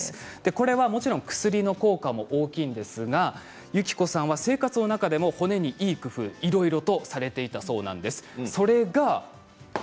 これは薬の効果も大きいんですがゆきこさんは生活の中でも骨に工夫をいろいろとされていたそうです。